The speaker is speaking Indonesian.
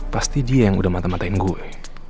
pasti dia yang udah mata matain gue